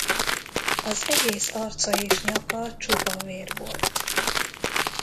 Az egész arca és nyaka csupa vér volt.